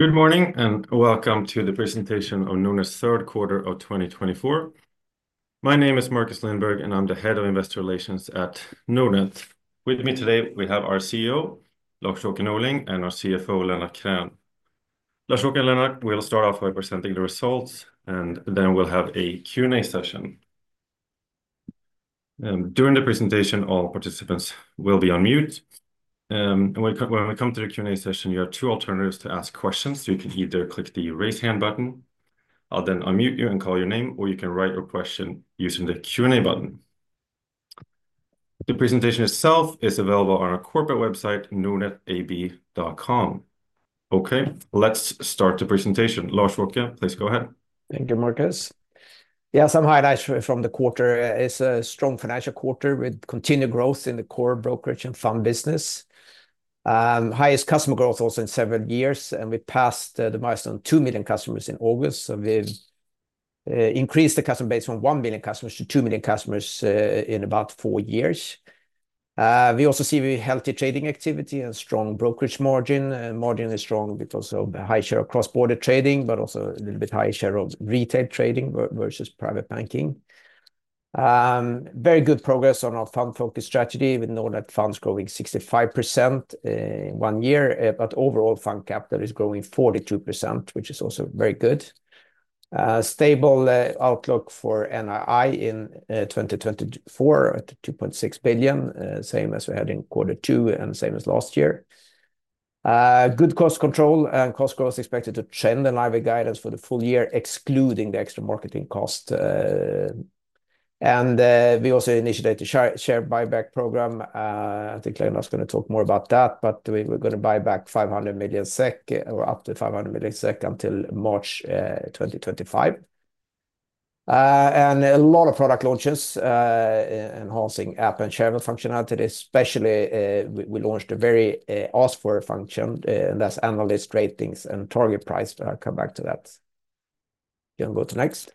Good morning, and welcome to the presentation of Nordnet's third quarter of twenty twenty-four. My name is Marcus Lindberg, and I'm the Head of Investor Relations at Nordnet. With me today, we have our CEO, Lars-Åke Norling, and our CFO, Lennart Krän. Lars-Åke and Lennart, we'll start off by presenting the results, and then we'll have a Q&A session. During the presentation, all participants will be on mute. And when we come to the Q&A session, you have two alternatives to ask questions. So you can either click the Raise Hand button, I'll then unmute you and call your name, or you can write your question using the Q&A button. The presentation itself is available on our corporate website, nordnetab.com. Okay, let's start the presentation. Lars-Åke, please go ahead. Thank you, Marcus. Yeah, some highlights from the quarter is a strong financial quarter with continued growth in the core brokerage and fund business. Highest customer growth also in seven years, and we passed the milestone two million customers in August, so we've increased the customer base from one million customers to two million customers in about four years. We also see very healthy trading activity and strong brokerage margin, and margin is strong with also the high share of cross-border trading, but also a little bit high share of retail trading versus private banking. Very good progress on our fund-focused strategy, with Nordnet Funds growing 65% in one year, but overall, fund capital is growing 42%, which is also very good. Stable outlook for NII in 2024 at 2.6 billion, same as we had in quarter two and same as last year. Good cost control and cost growth is expected to trend in line with guidance for the full year, excluding the extra marketing cost. We also initiated a share buyback program. I think Lennart's gonna talk more about that, but we're gonna buy back 500 million SEK or up to 500 million SEK until March 2025. And a lot of product launches, enhancing app and share functionality, especially, we launched a very asked-for function, and that's analyst ratings and target price. I'll come back to that. You can go to next.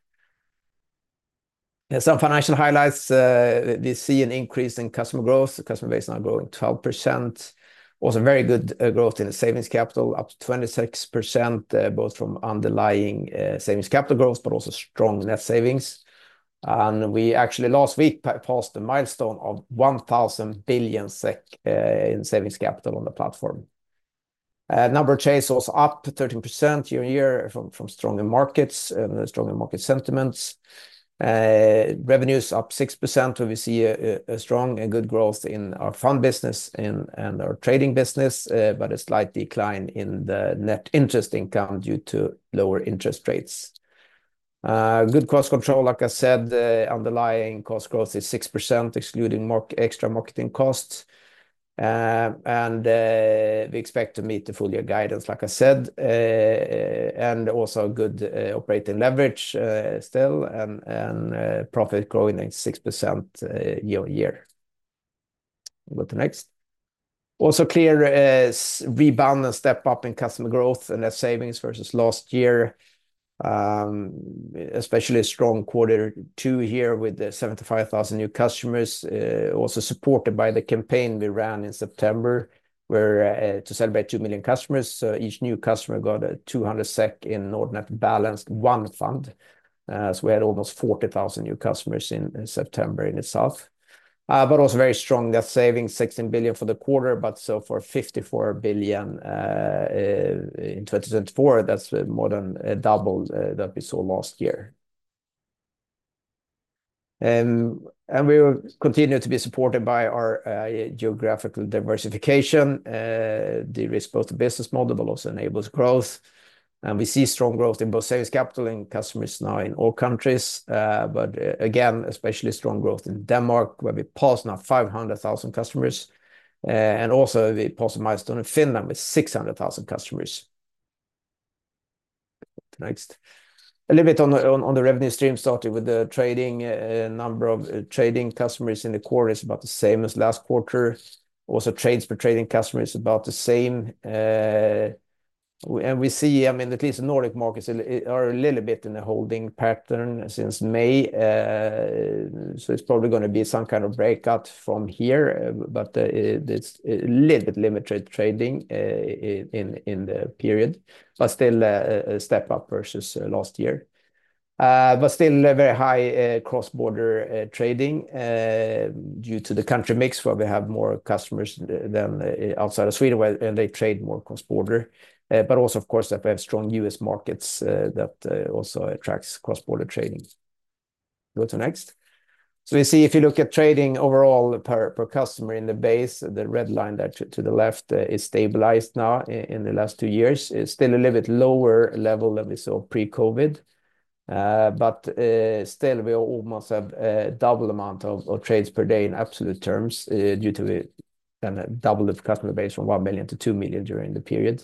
Some financial highlights: we see an increase in customer growth. The customer base now growing 12%. Also, very good growth in the savings capital, up 26%, both from underlying savings capital growth, but also strong net savings, and we actually, last week, passed the milestone of 1,000 billion SEK in savings capital on the platform. Number of trades was up 13% year on year from stronger markets and stronger market sentiments. Revenues up 6%, where we see a strong and good growth in our fund business and our trading business, but a slight decline in the net interest income due to lower interest rates. Good cost control, like I said. The underlying cost growth is 6%, excluding extra marketing costs, and we expect to meet the full year guidance, like I said. Also good operating leverage still and profit growing at 6% year on year. We go to next. Also, clear strong rebound and step-up in customer growth and net savings versus last year. Especially strong quarter two here, with 75,000 new customers, also supported by the campaign we ran in September, where to celebrate 2 million customers, each new customer got 200 SEK in Nordnet One Balanced fund. So we had almost 40,000 new customers in September in itself. But also very strong net savings, 16 billion for the quarter, but also 54 billion in 2024, that's more than double that we saw last year. And we will continue to be supported by our geographical diversification, de-risk both the business model, but also enables growth. And we see strong growth in both savings capital and customers now in all countries. But again, especially strong growth in Denmark, where we passed now five hundred thousand customers. And also we passed a milestone in Finland with six hundred thousand customers. Next. A little bit on the revenue stream, starting with the trading. A number of trading customers in the quarter is about the same as last quarter. Also, trades for trading customers is about the same, and we see, I mean, at least the Nordic markets are a little bit in a holding pattern since May. So it's probably gonna be some kind of breakout from here, but it's a little bit limited trading in the period, but still a step up versus last year. But still a very high cross-border trading due to the country mix, where we have more customers than outside of Sweden, where... and they trade more cross-border. But also, of course, that we have strong US markets that also attracts cross-border trading. Go to next. So you see, if you look at trading overall per customer in the base, the red line that to the left is stabilized now in the last two years. It's still a little bit lower level than we saw pre-COVID, but still, we almost have double amount of trades per day in absolute terms, due to the double the customer base from one million to two million during the period.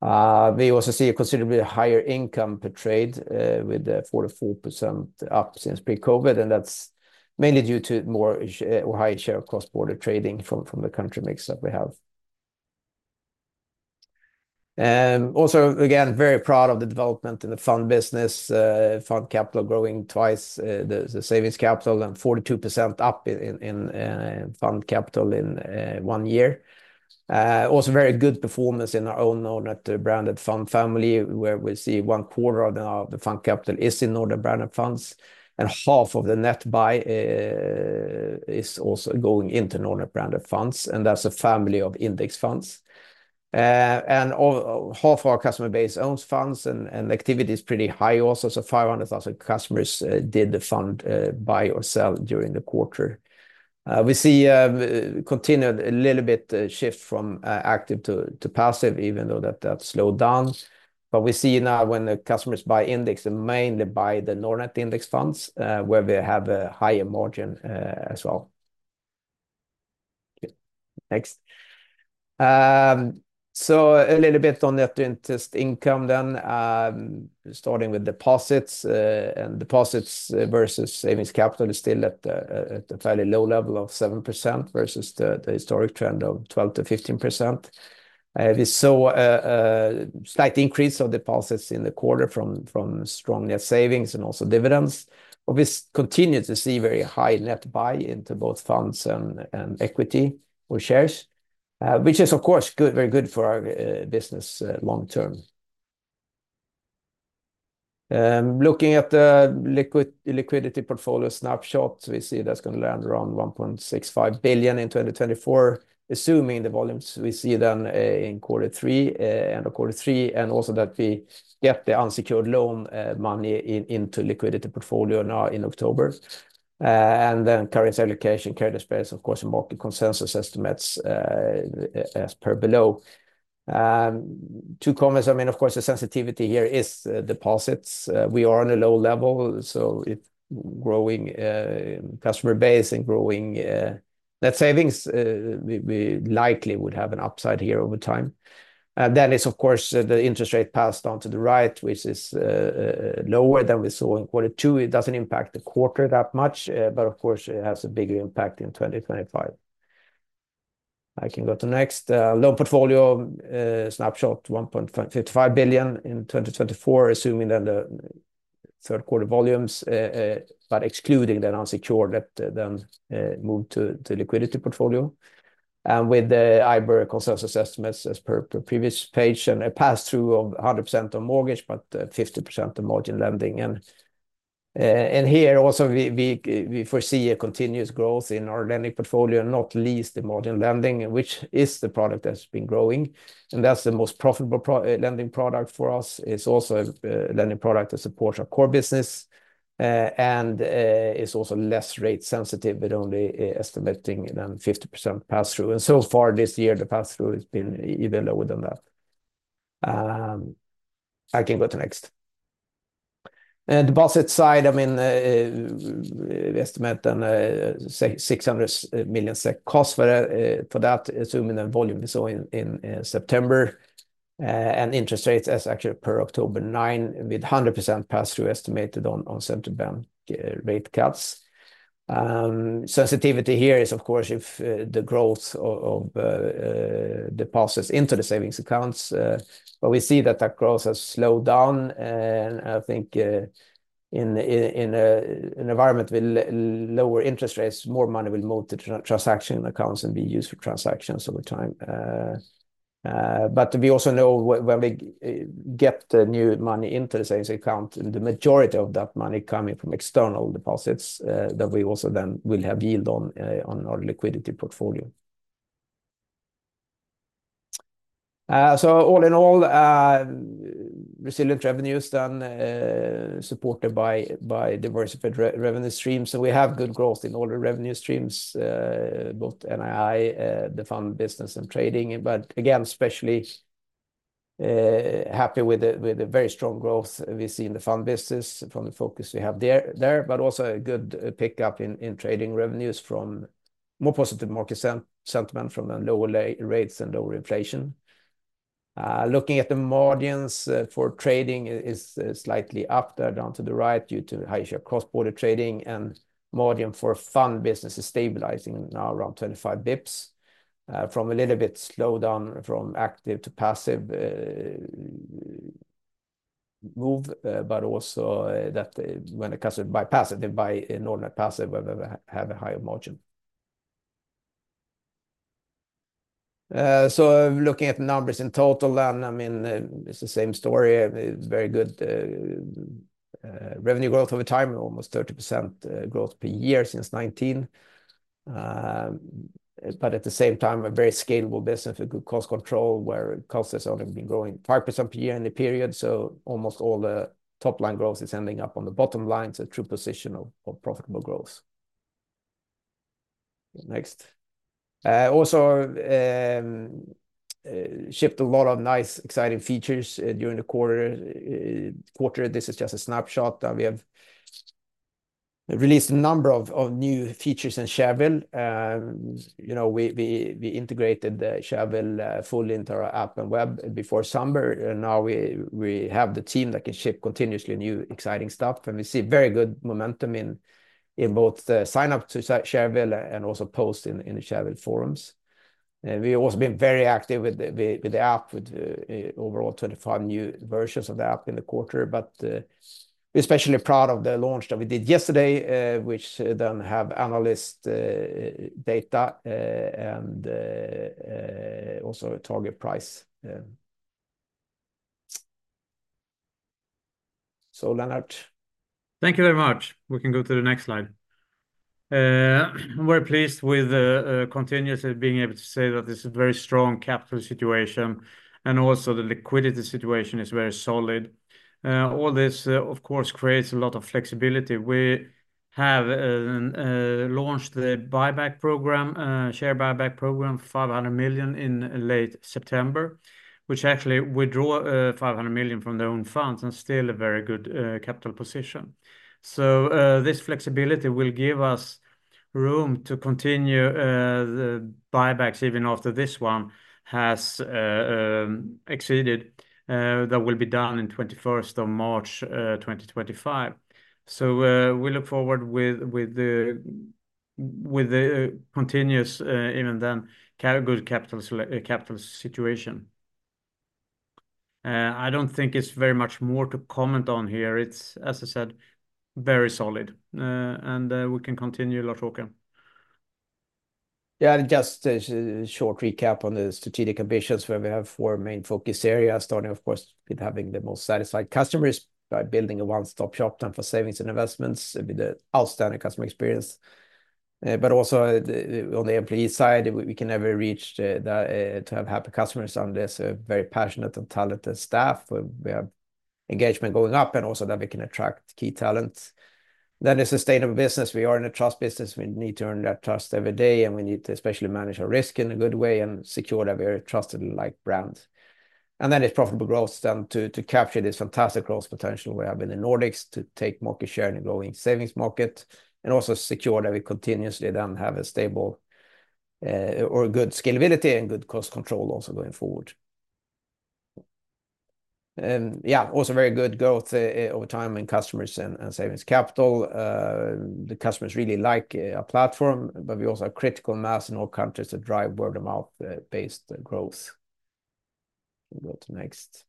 We also see a considerably higher income per trade, with the 44% up since pre-COVID, and that's mainly due to more high share of cross-border trading from the country mix that we have. Also, again, very proud of the development in the fund business. Fund capital growing twice the savings capital, and 42% up in fund capital in one year. Also very good performance in our own Nordnet-branded fund family, where we see one quarter of the fund capital is in Nordnet-branded funds, and half of the net buy is also going into Nordnet-branded funds, and that's a family of index funds. Half our customer base owns funds, and activity is pretty high also, so 500,000 customers did the fund buy or sell during the quarter. We see continued a little bit shift from active to passive, even though that slowed down. We see now when the customers buy index, they mainly buy the Nordnet index funds, where we have a higher margin as well. Next. A little bit on net interest income then, starting with deposits. And deposits versus savings capital is still at a fairly low level of 7% versus the historic trend of 12%-15%. We saw a slight increase of deposits in the quarter from strong net savings and also dividends. But we continue to see very high net buy into both funds and equity or shares, which is, of course, good, very good for our business long term. Looking at the liquidity portfolio snapshot, we see that's gonna land around 1.65 billion in 2024, assuming the volumes we see then in quarter three, end of quarter three, and also that we get the unsecured loan money into liquidity portfolio now in October. And then currency allocation, credit spreads, of course, market consensus estimates as per below. Two comments, I mean, of course, the sensitivity here is deposits. We are on a low level, so if growing customer base and growing net savings, we likely would have an upside here over time. Then is, of course, the interest rate passed on to the right, which is lower than we saw in quarter two. It doesn't impact the quarter that much, but of course, it has a bigger impact in 2025. I can go to next. Loan portfolio snapshot, 1.55 billion in 2024, assuming that the third quarter volumes, but excluding that unsecured debt, then moved to liquidity portfolio. And with the IBOR consensus estimates as per previous page, and a pass-through of 100% on mortgage, but 50% on margin lending. Here also, we foresee a continuous growth in our lending portfolio, not least in margin lending, which is the product that's been growing, and that's the most profitable lending product for us. It's also lending product that supports our core business, and it's also less rate sensitive, but only estimating than 50% pass-through. So far this year, the pass-through has been even lower than that. I can go to next. On deposit side, I mean, we estimate then 600 million cost for that, assuming the volume we saw in September, and interest rates as of October 9th, with 100% pass-through estimated on September rate cuts. Sensitivity here is, of course, if the growth of deposits into the savings accounts, but we see that growth has slowed down, and I think in an environment with lower interest rates, more money will move to transaction accounts and be used for transactions over time. But we also know when we get the new money into the savings account, the majority of that money coming from external deposits, that we also then will have yield on our liquidity portfolio, so all in all, resilient revenues then, supported by diversified revenue streams. We have good growth in all the revenue streams, both NII, the fund business, and trading. But again, especially happy with the very strong growth we see in the fund business from the focus we have there, but also a good pickup in trading revenues from more positive market sentiment from the lower rates and lower inflation. Looking at the margins for trading is slightly up there, down to the right, due to higher share cross-border trading, and margin for fund business is stabilizing now around 25 basis points, from a little bit slowdown from active to passive move, but also that when a customer buy passive, they buy in order passive, have a higher margin. So looking at the numbers in total, then, I mean, it's the same story. It's very good revenue growth over time, almost 30% growth per year since 2019. But at the same time, a very scalable business with good cost control, where costs has only been growing 5% per year in the period. So almost all the top-line growth is ending up on the bottom line, so true position of profitable growth. Next. Also shipped a lot of nice, exciting features during the quarter. This is just a snapshot. We have released a number of new features in Shareville. You know, we integrated the Shareville fully into our app and web before summer, and now we have the team that can ship continuously new, exciting stuff. We see very good momentum in both the sign-up to Shareville and also post in the Shareville forums. We've also been very active with the app, with overall 25 new versions of the app in the quarter. But we're especially proud of the launch that we did yesterday, which then have analyst data and also a target price update. So, Lennart. Thank you very much. We can go to the next slide. We're pleased with the continuously being able to say that this is a very strong capital situation, and also the liquidity situation is very solid. All this, of course, creates a lot of flexibility. We have launched the buyback program, share buyback program, 500 million in late September, which actually withdraw 500 million from their own funds, and still a very good capital position. This flexibility will give us room to continue the buybacks even after this one has exceeded, that will be done in twenty-first of March, twenty twenty-five. We look forward with the continuous even then, good capital situation. I don't think it's very much more to comment on here. It's, as I said, very solid, and we can continue, Lars-Åke. Yeah, and just a short recap on the strategic ambitions, where we have four main focus areas, starting, of course, with having the most satisfied customers by building a one-stop shop, and for savings and investments, with an outstanding customer experience, but also, on the employee side, we can never reach the to have happy customers on this, a very passionate and talented staff, where we have engagement going up, and also that we can attract key talent, then the sustainable business. We are in a trust business. We need to earn that trust every day, and we need to especially manage our risk in a good way and secure that we're a trusted and liked brand. And then it's profitable growth, then to capture this fantastic growth potential we have in the Nordics, to take market share in a growing savings market, and also secure that we continuously then have a stable or a good scalability and good cost control also going forward. Yeah, also very good growth over time in customers and savings capital. The customers really like our platform, but we also have critical mass in all countries that drive word-of-mouth based growth. We'll go to next.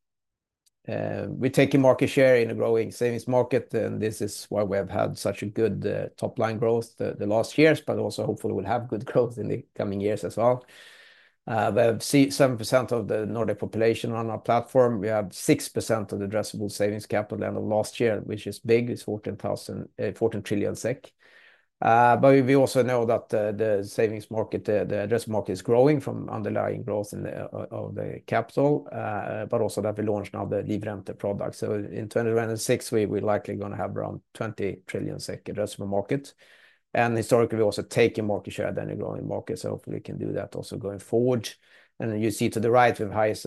We're taking market share in a growing savings market, and this is why we have had such a good top-line growth the last years, but also hopefully we'll have good growth in the coming years as well. We have 7% of the Nordic population on our platform. We have 6% of the addressable savings capital end of last year, which is big. It's 14 trillion SEK. But we also know that the savings market, the address market, is growing from underlying growth in the capital, but also that we launched now the Livrente product. In 2026, we're likely gonna have around 20 trillion SEK addressable market. Historically, we're also taking market share than the growing market, so hopefully we can do that also going forward. Then you see to the right, we have highest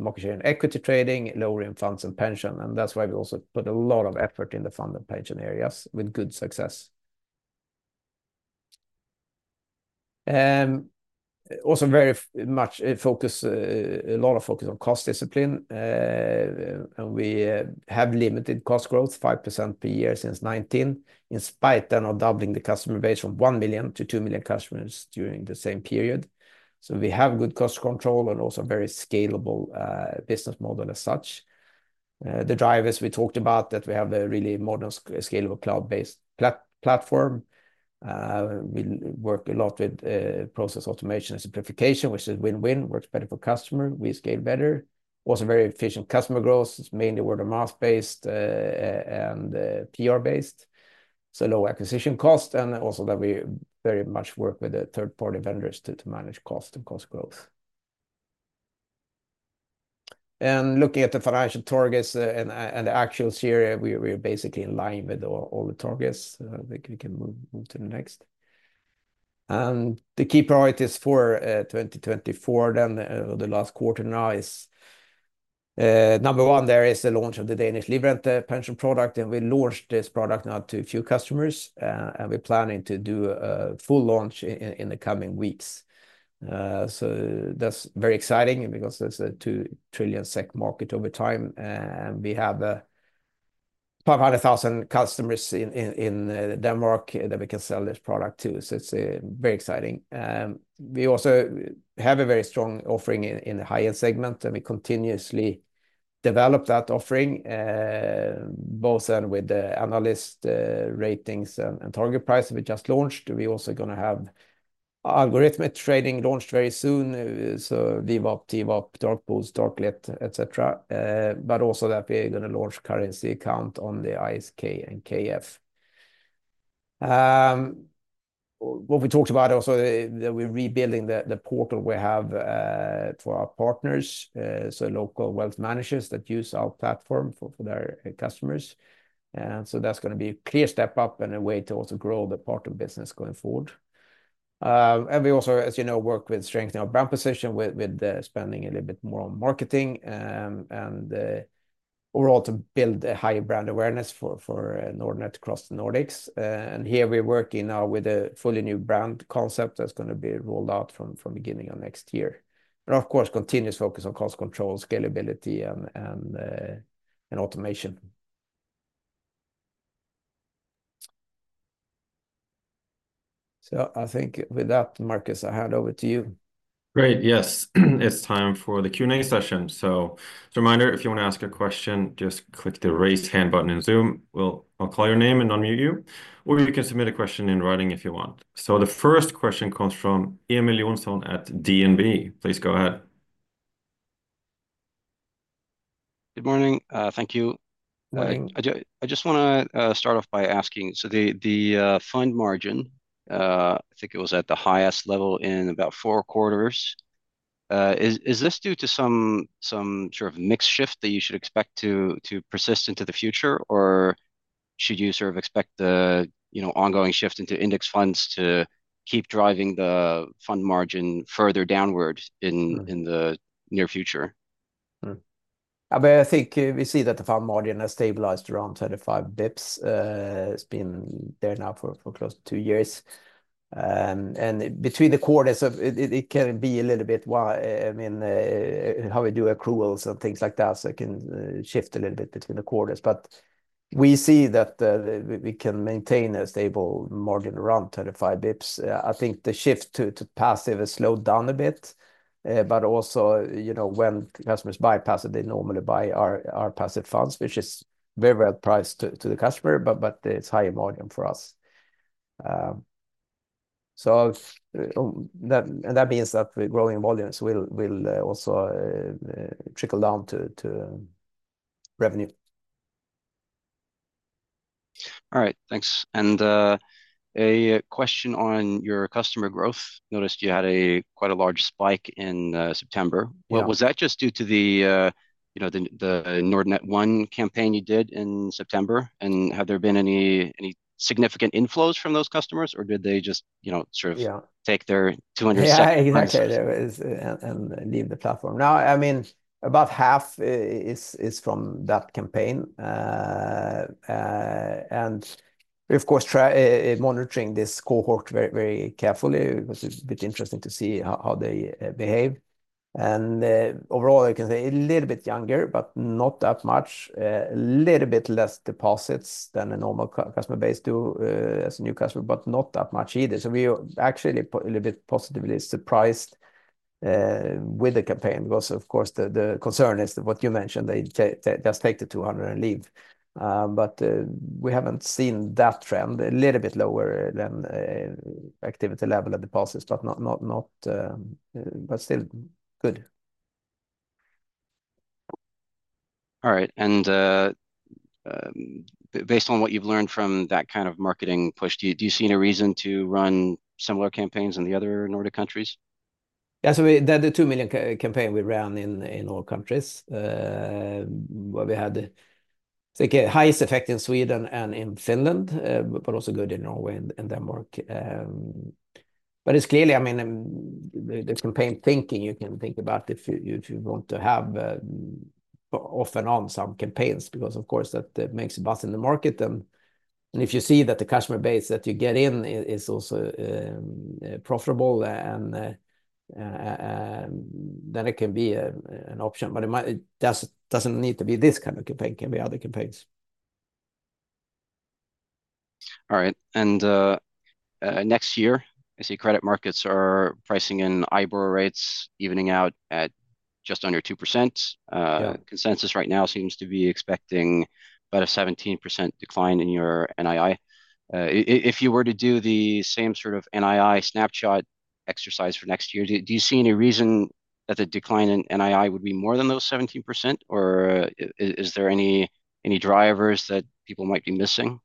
market share in equity trading, lower in funds and pension, and that's why we also put a lot of effort in the fund and pension areas with good success. Also very much a focus, a lot of focus on cost discipline. And we have limited cost growth, 5% per year since 2019, in spite of doubling the customer base from one million to two million customers during the same period. So we have good cost control and also very scalable business model as such. The drivers we talked about, that we have a really modern, scalable, cloud-based platform. We work a lot with process automation and simplification, which is win-win. Works better for customer, we scale better. Also very efficient customer growth. It's mainly word-of-mouth based and PR-based, so low acquisition cost, and also that we very much work with the third-party vendors to manage cost and cost growth. And looking at the financial targets and the actuals here, we're basically in line with all the targets. We can move to the next. The key priorities for 2024, then, the last quarter now is number one, the launch of the Danish Livrente pension product, and we launched this product now to a few customers, and we're planning to do a full launch in the coming weeks. So that's very exciting because that's a 2 trillion SEK market over time, and we have 500,000 customers in Denmark that we can sell this product to, so it's very exciting. We also have a very strong offering in the high-end segment, and we continuously develop that offering, both then with the analyst ratings and target price we just launched. We're also gonna have algorithmic trading launched very soon, so VWAP, TWAP, dark pools, dark/lit, et cetera, but also that we're gonna launch currency account on the ISK and KF. What we talked about also, that we're rebuilding the portal we have for our partners, so local wealth managers that use our platform for their customers, and so that's gonna be a clear step up and a way to also grow the partner business going forward, and we also, as you know, work with strengthening our brand position with spending a little bit more on marketing, and overall to build a higher brand awareness for Nordnet across the Nordics, and here we're working now with a fully new brand concept that's gonna be rolled out from beginning of next year. But of course, continuous focus on cost control, scalability, and automation. So I think with that, Marcus, I hand over to you. Great. Yes, it's time for the Q&A session. So as a reminder, if you wanna ask a question, just click the Raise Hand button in Zoom. I'll call your name and unmute you, or you can submit a question in writing if you want. So the first question comes from Emil Jonsson at DNB. Please go ahead.... Good morning. Thank you. Good morning. I just wanna start off by asking, so the fund margin, I think it was at the highest level in about four quarters. Is this due to some sort of mix shift that you should expect to persist into the future? Or should you sort of expect the, you know, ongoing shift into index funds to keep driving the fund margin further downward in the near future? I mean, I think we see that the fund margin has stabilized around thirty-five basis points. It's been there now for close to two years. And between the quarters, it can be a little bit wild, I mean, how we do accruals and things like that, so it can shift a little bit between the quarters. But we see that we can maintain a stable margin around thirty-five basis points. I think the shift to passive has slowed down a bit, but also, you know, when customers buy passive, they normally buy our passive funds, which is very well priced to the customer, but it's higher margin for us. So that means that we're growing volumes, will also trickle down to revenue. All right, thanks. A question on your customer growth. Noticed you had a quite large spike in September. Yeah. Was that just due to the you know the Nordnet One campaign you did in September? And have there been any significant inflows from those customers, or did they just you know sort of- Yeah... take their 200 prices? Yeah, and leave the platform. Now, I mean, about half is from that campaign, and we, of course, try monitoring this cohort very, very carefully, because it's a bit interesting to see how they behave, and overall, I can say a little bit younger, but not that much. A little bit less deposits than a normal customer base do, as a new customer, but not that much either, so we are actually a little bit positively surprised with the campaign, because, of course, the concern is what you mentioned, they just take the 200 and leave, but we haven't seen that trend. A little bit lower activity level of deposits, but not, but still good. All right. Based on what you've learned from that kind of marketing push, do you see any reason to run similar campaigns in the other Nordic countries? Yeah, so we... That the two million customer campaign we ran in all countries, where we had the, I think, highest effect in Sweden and in Finland, but also good in Norway and in Denmark. But it's clearly, I mean, the campaign thinking, you can think about if you want to have off and on some campaigns, because of course, that makes a buzz in the market. And if you see that the customer base that you get in is also profitable, and then it can be an option. But it might, it doesn't need to be this kind of campaign. It can be other campaigns. All right. Next year, I see credit markets are pricing in IBOR rates, evening out at just under 2%. Yeah. Consensus right now seems to be expecting about a 17% decline in your NII. If you were to do the same sort of NII snapshot exercise for next year, do you see any reason that the decline in NII would be more than those 17%, or is there any drivers that people might be missing?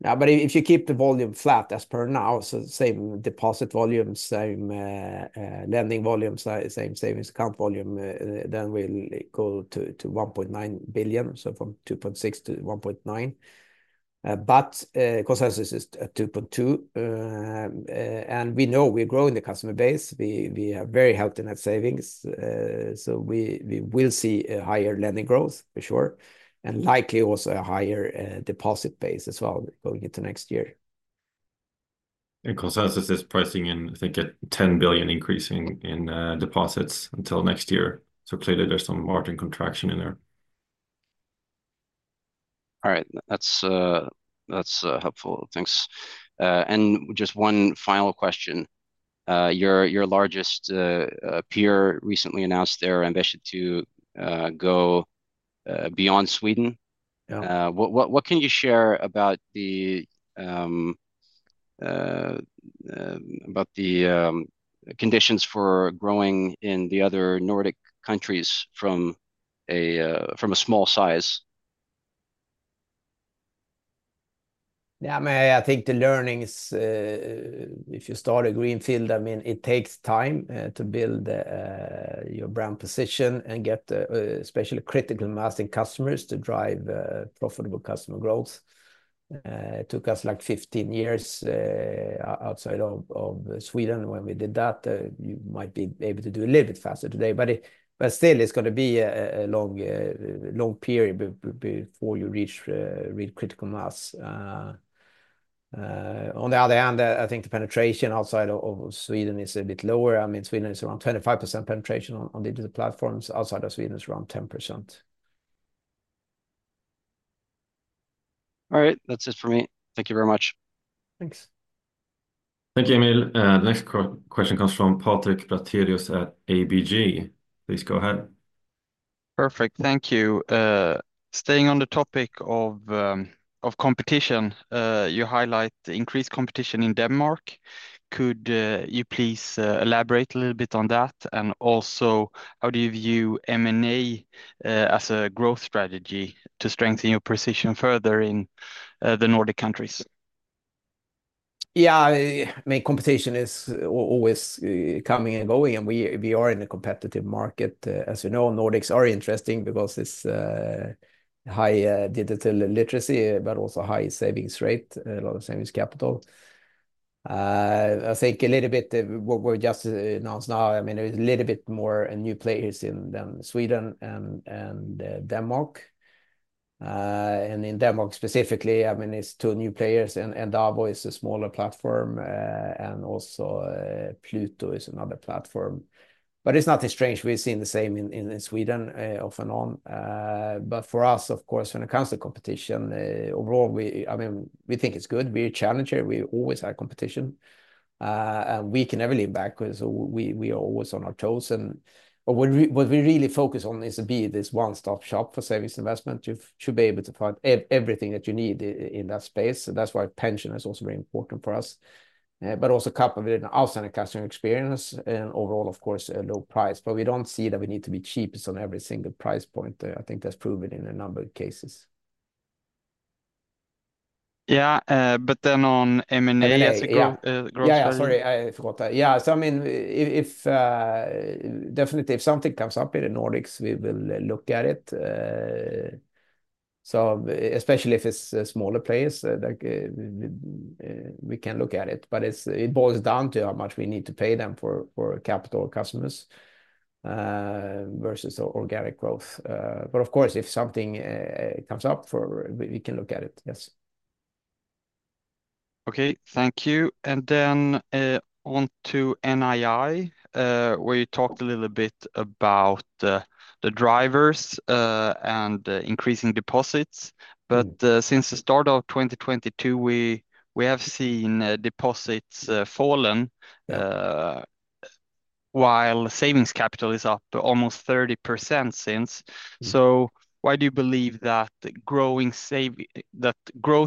Now, but if you keep the volume flat as per now, so the same deposit volume, same lending volume, same savings account volume, then we'll go to 1.9 billion, so from 2.6 billion-1.9 billion. But consensus is at 2.2 billion. And we know we're growing the customer base. We have very healthy net savings, so we will see a higher lending growth, for sure, and likely also a higher deposit base as well, going into next year. And consensus is pricing in, I think, a 10 billion increase in deposits until next year. So clearly, there's some margin contraction in there. All right. That's helpful. Thanks, and just one final question. Your largest peer recently announced their ambition to go beyond Sweden. Yeah. What can you share about the conditions for growing in the other Nordic countries from a small size? Yeah, I mean, I think the learnings, if you start a greenfield, I mean, it takes time to build your brand position and get, especially critical mass in customers to drive profitable customer growth. It took us, like, fifteen years outside of Sweden when we did that. You might be able to do a little bit faster today, but still, it's gonna be a long period before you reach really critical mass. On the other hand, I think the penetration outside of Sweden is a bit lower. I mean, Sweden is around 25% penetration on digital platforms. Outside of Sweden is around 10%. All right, that's it for me. Thank you very much. Thanks.... Thank you, Emil. The next question comes from Patrik Brattelius at ABG. Please go ahead. Perfect. Thank you. Staying on the topic of competition, you highlight the increased competition in Denmark. Could you please elaborate a little bit on that? And also, how do you view M&A as a growth strategy to strengthen your position further in the Nordic countries? Yeah, I mean, competition is always coming and going, and we are in a competitive market. As you know, Nordics are interesting because it's high digital literacy, but also high savings rate, a lot of savings capital. I think a little bit, what we've just announced now, I mean, a little bit more and new players in than Sweden and Denmark. And in Denmark specifically, I mean, it's two new players, and Tobi is a smaller platform, and also Pluto is another platform. But it's nothing strange. We've seen the same in Sweden off and on. But for us, of course, when it comes to competition overall, I mean, we think it's good. We're a challenger. We always have competition, and we can never lean back 'cause we are always on our toes. And what we really focus on is to be this one-stop shop for savings investment. You should be able to find everything that you need in that space, and that's why pension is also very important for us. But also coupled with an outstanding customer experience, and overall, of course, a low price. But we don't see that we need to be cheapest on every single price point. I think that's proven in a number of cases. Yeah, but then on M&A as a go- Yeah... growth. Yeah, sorry, I forgot that. Yeah, so I mean, if, definitely if something comes up in the Nordics, we will look at it. So especially if it's a smaller place, like, we can look at it, but it boils down to how much we need to pay them for capital customers versus organic growth. But of course, if something comes up, we can look at it. Yes. Okay, thank you. And then on to NII, where you talked a little bit about the drivers and increasing deposits. But since the start of 2022, we have seen deposits fallen while savings capital is up almost 30% since. So why do you believe that growth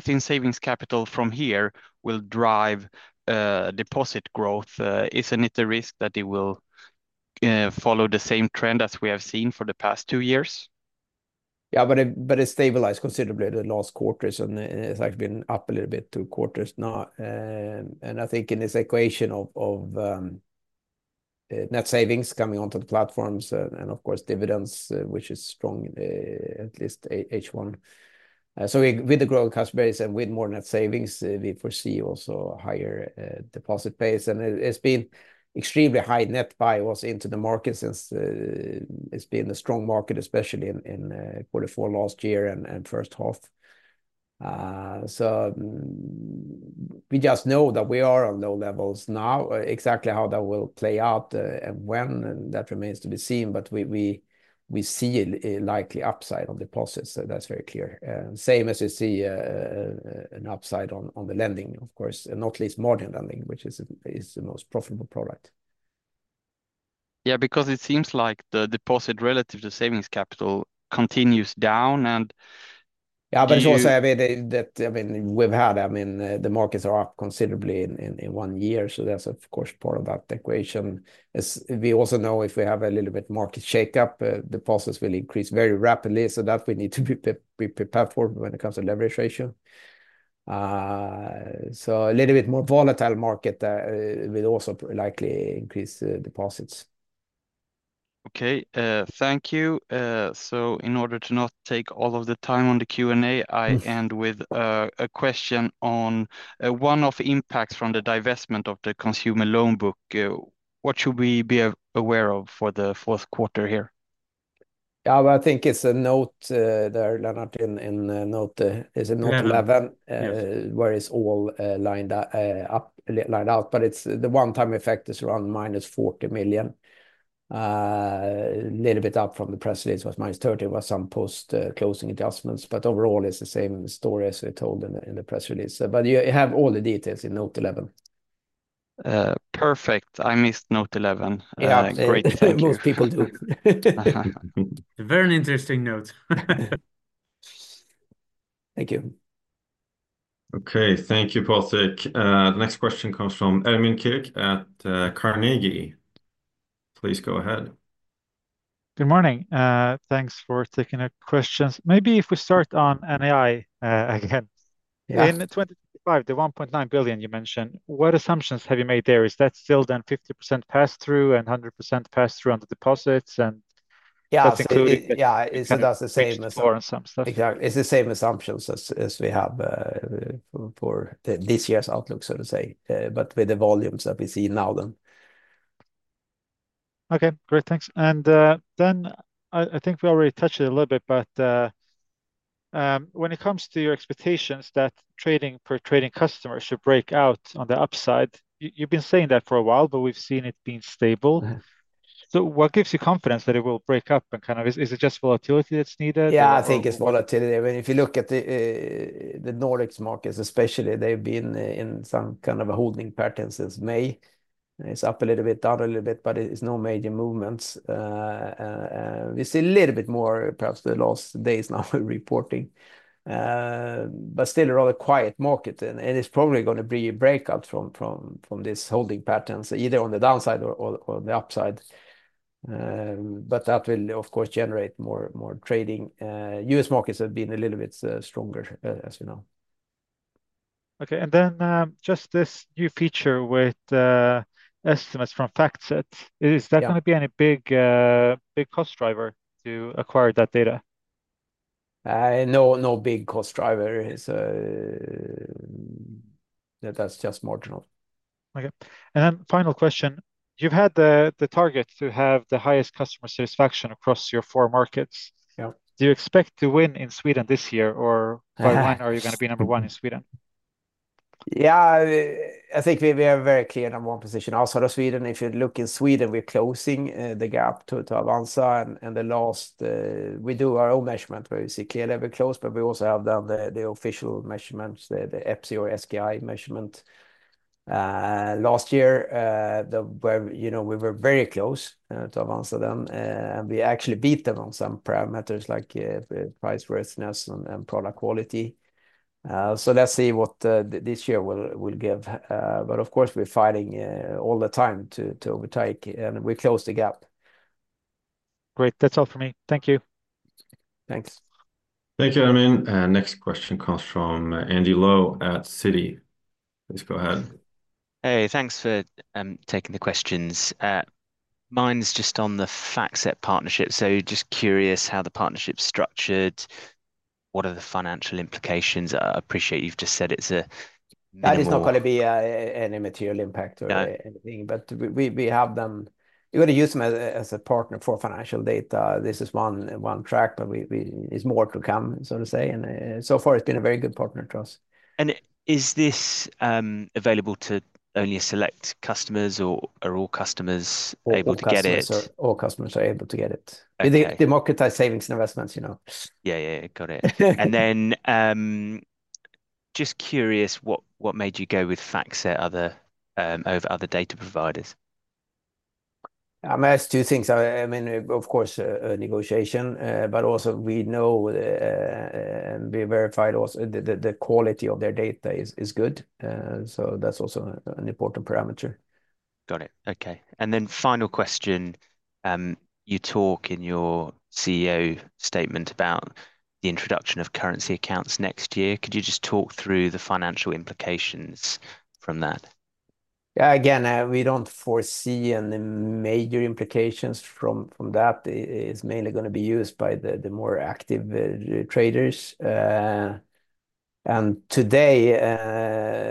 in savings capital from here will drive deposit growth? Isn't it a risk that it will follow the same trend as we have seen for the past two years? Yeah, but it stabilized considerably the last quarters, and it's actually been up a little bit two quarters now. And I think in this equation of net savings coming onto the platforms and, of course, dividends, which is strong, at least H1. So with the growing customer base and with more net savings, we foresee also higher deposit base, and it's been extremely high net buy was into the market since it's been a strong market, especially in quarter four last year and first half. So we just know that we are on low levels now. Exactly how that will play out, and when, and that remains to be seen, but we see a likely upside on deposits, so that's very clear. Same as you see, an upside on the lending, of course, and not least margin lending, which is the most profitable product. Yeah, because it seems like the deposit relative to savings capital continues down, and- Yeah, but it's also- Do you-... that, I mean, we've had, I mean, the markets are up considerably in one year, so that's of course part of that equation. As we also know, if we have a little bit market shakeup, deposits will increase very rapidly, so that we need to be prepared for when it comes to leverage ratio. So a little bit more volatile market will also likely increase the deposits. Okay, thank you. So in order to not take all of the time on the Q&A- Mm... I end with a question on one of the impacts from the divestment of the consumer loan book. What should we be aware of for the fourth quarter here? Yeah, I think it's a note there, Lennart, in note. Is it note eleven? Yeah. Where it's all lined up, laid out, but it's the one-time effect is around -40 million. Little bit up from the press release, was -30, was some post-closing adjustments, but overall, it's the same story as we told in the press release. But you have all the details in Note 11. Perfect. I missed note 11. Yeah. Great. Thank you. Most people do. Very interesting note. Thank you. Okay. Thank you, Patrik. The next question comes from Ermin Keric at Carnegie. Please go ahead. Good morning. Thanks for taking the questions. Maybe if we start on NII, again. Yeah. In 2025, the 1.9 billion you mentioned, what assumptions have you made there? Is that still then 50% pass-through and 100% pass-through on the deposits, and- Yeah... that's included? Yeah, it does the same as- Assumptions. Exactly. It's the same assumptions as we have for this year's outlook, so to say, but with the volumes that we see now then. Okay, great. Thanks. And then I think we already touched a little bit, but when it comes to your expectations, that trading per trading customers should break out on the upside, you've been saying that for a while, but we've seen it being stable. Mm-hmm. So what gives you confidence that it will break up and kind of... Is it just volatility that's needed, or- Yeah, I think it's volatility. I mean, if you look at the Nordics markets, especially, they've been in some kind of a holding pattern since May. It's up a little bit, down a little bit, but it's no major movements. We see a little bit more perhaps the last days now reporting. But still a rather quiet market, and it's probably gonna be a breakout from this holding pattern, either on the downside or the upside. But that will, of course, generate more trading. U.S. markets have been a little bit stronger, as you know. Okay, and then, just this new feature with estimates from FactSet. Yeah. Is that gonna be any big cost driver to acquire that data? No, no big cost driver. It's... That's just marginal. Okay. And then final question: you've had the target to have the highest customer satisfaction across your four markets. Yeah. Do you expect to win in Sweden this year, or? Uh By when are you gonna be number one in Sweden? Yeah, I think we are very clear number one position outside of Sweden. If you look in Sweden, we're closing the gap to Avanza, and the last... We do our own measurement, where we see clearly we're close, but we also have done the official measurements, the EPSI or SKI measurement. Last year, where you know, we were very close to Avanza them, and we actually beat them on some parameters like price worthiness and product quality. So let's see what this year will give. But of course, we're fighting all the time to overtake, and we close the gap. Great. That's all for me. Thank you. Thanks. Thank you, Ermin. Next question comes from Andy Lowe at Citi. Please go ahead. Hey, thanks for taking the questions. Mine's just on the FactSet partnership, so just curious how the partnership's structured, what are the financial implications? Appreciate you've just said it's a minimal- That is not gonna be any material impact or- No... anything, but we have them. We're gonna use them as a partner for financial data. This is one track, but there's more to come, so to say, and so far, it's been a very good partner to us. Is this available to only select customers, or are all customers able to get it? All customers are able to get it. Okay. We democratize savings and investments, you know? Yeah, yeah. Got it. And then, just curious, what, what made you go with FactSet over other data providers? There's two things. I mean, of course, a negotiation, but also we know we verified also the quality of their data is good. So that's also an important parameter. Got it. Okay. And then final question: you talk in your CEO statement about the introduction of currency accounts next year. Could you just talk through the financial implications from that? Yeah, again, we don't foresee any major implications from that. It's mainly gonna be used by the more active traders. Today,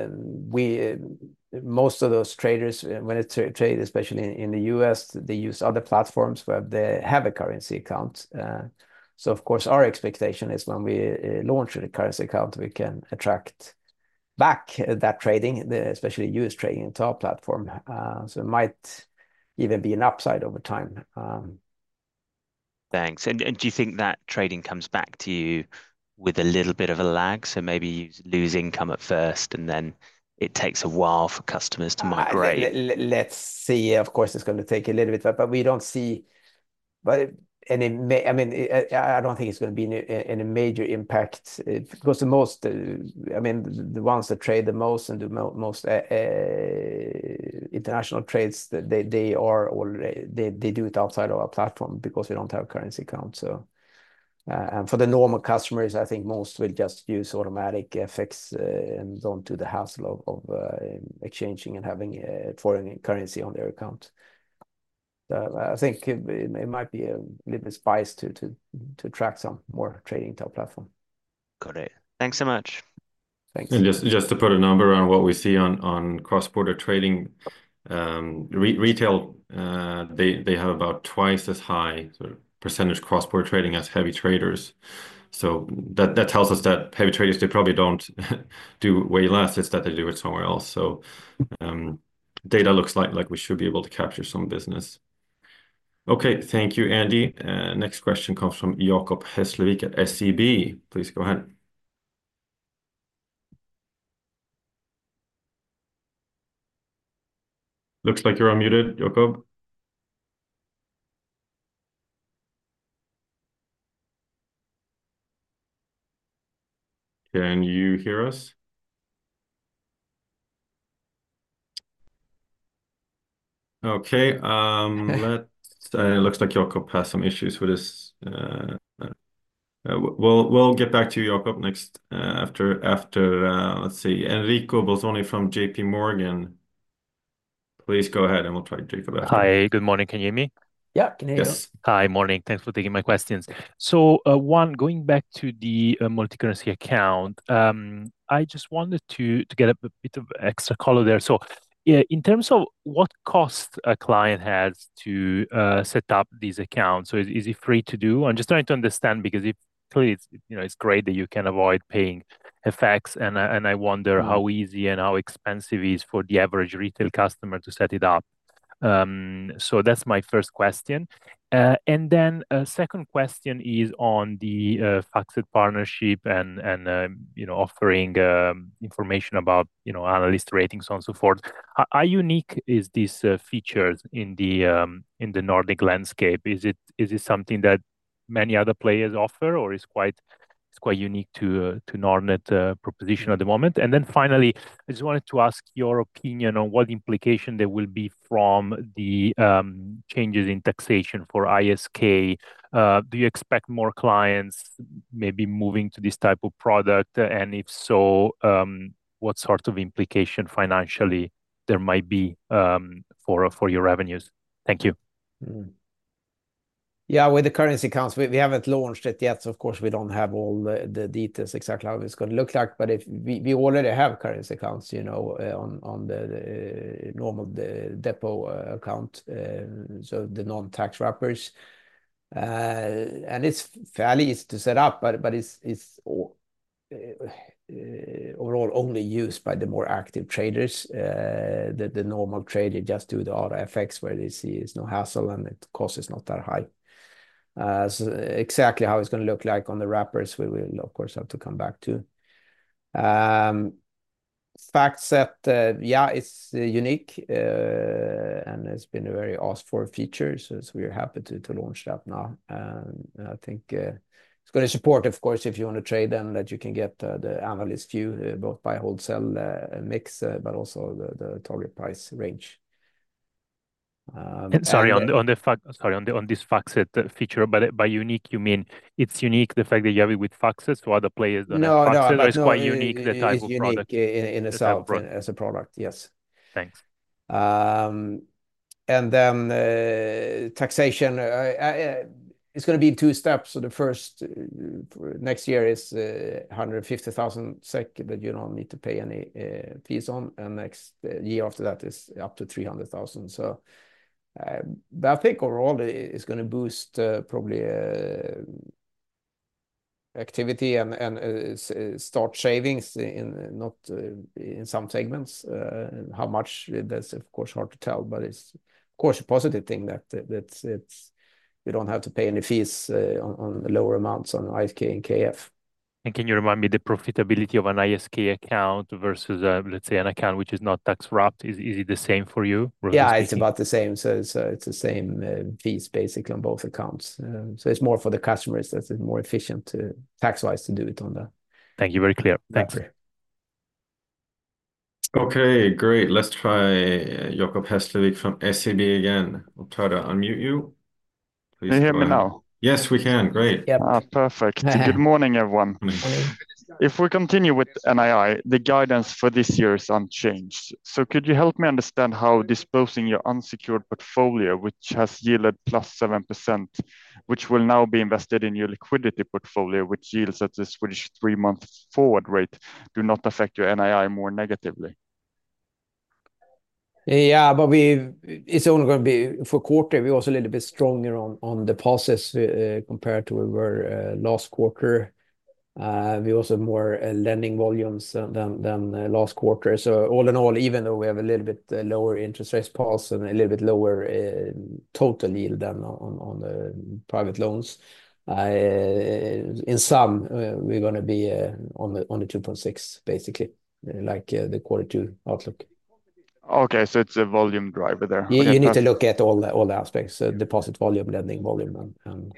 most of those traders, when they trade, especially in the US, they use other platforms where they have a currency account. Of course, our expectation is when we launch the currency account, we can attract back that trading, especially US trading, into our platform. It might even be an upside over time. Thanks. And, do you think that trading comes back to you with a little bit of a lag? So maybe you lose income at first, and then it takes a while for customers to migrate. Let's see. Of course, it's gonna take a little bit, but we don't see by any means. I mean, I don't think it's gonna be any major impact. Because the most, I mean, the ones that trade the most and the most international trades, they are already - they do it outside of our platform because we don't have currency account. So, and for the normal customers, I think most will just use automatic FX, and don't do the hassle of exchanging and having foreign currency on their account. I think it might be a little spice to attract some more trading to our platform. Got it. Thanks so much. Thanks. And just to put a number on what we see on cross-border trading, retail, they have about twice as high sort of percentage cross-border trading as heavy traders. So that tells us that heavy traders, they probably don't do way less, it's that they do it somewhere else. So data looks like we should be able to capture some business. Okay, thank you, Andy. Next question comes from Jacob Hesslevik at SEB. Please go ahead. Looks like you're unmuted, Jacob. Can you hear us? Okay, let's- Okay. It looks like Jacob has some issues with this. We'll get back to you, Jacob, next after, let's see. Enrico Bolzoni from J.P. Morgan, please go ahead, and we'll try Jacob after. Hi, good morning. Can you hear me? Yeah, can hear you. Yes. Hi. Morning. Thanks for taking my questions. So, one, going back to the multicurrency account, I just wanted to get a bit of extra color there. So, yeah, in terms of what cost a client has to set up these accounts, so is it free to do? I'm just trying to understand, because clearly, it's, you know, it's great that you can avoid paying FX fees, and I wonder- Mm... how easy and how expensive it is for the average retail customer to set it up? So that's my first question. And then, second question is on the FactSet partnership and, and, you know, offering information about, you know, analyst ratings, so on, so forth. How unique is this feature in the Nordic landscape? Is it something that many other players offer, or it's quite unique to Nordnet proposition at the moment? And then finally, I just wanted to ask your opinion on what implication there will be from the changes in taxation for ISK. Do you expect more clients maybe moving to this type of product? And if so, what sort of implication financially there might be for your revenues? Thank you. Mm-hmm. Yeah, with the currency accounts, we haven't launched it yet, so of course, we don't have all the details exactly how it's gonna look like. But we already have currency accounts, you know, on the normal depot account. So the non-tax wrappers. And it's fairly easy to set up, but it's overall only used by the more active traders. The normal trader just do the auto FX, where they see it's no hassle, and the cost is not that high. So exactly how it's gonna look like on the wrappers, we will of course have to come back to. FactSet, yeah, it's unique, and it's been a very asked-for feature, so we are happy to launch that now. And I think, it's gonna support, of course, if you want to trade, then that you can get, the analyst view, both by wholesale, mix, but also the target price range. And- Sorry, on this FactSet feature, by unique, you mean it's unique the fact that you have it with FactSet, so other players don't have FactSet? No, no, I know- It's quite unique, the type of product.... It's unique in itself- The product... as a product, yes. Thanks. And then taxation, it's gonna be in two steps. So the first, next year is 150,000 SEK that you don't need to pay any fees on, and next, the year after that is up to 300,000. So, but I think overall, it, it's gonna boost probably activity and start savings in, not, in some segments. How much? That's of course hard to tell, but it's of course a positive thing that it's you don't have to pay any fees on the lower amounts on ISK and KF. And can you remind me the profitability of an ISK account versus, let's say, an account which is not tax wrapped? Is it the same for you, roughly speaking? Yeah, it's about the same. So it's the same fees basically on both accounts. So it's more for the customers that's more efficient to, tax-wise, to do it on that. Thank you. Very clear. Thanks. Great. Okay, great. Let's try Jacob Hesslevik from SEB again. I'll try to unmute you. Please go ahead. Can you hear me now? Yes, we can. Great. Yep. Ah, perfect. Good morning, everyone. Mm-hmm. If we continue with NII, the guidance for this year is unchanged. So could you help me understand how disposing of your unsecured portfolio, which has yielded +7%, which will now be invested in your liquidity portfolio, which yields at the Swedish three-month forward rate, do not affect your NII more negatively? Yeah, but we. It's only gonna be for quarter. We're also a little bit stronger on the plus, compared to we were last quarter. We also more lending volumes than last quarter. So all in all, even though we have a little bit lower interest rate plus and a little bit lower total yield than on the private loans, in sum, we're gonna be on the two point six, basically, like the quarter two outlook. Okay, so it's a volume driver there. We- You need to look at all the aspects, deposit volume, lending volume, and.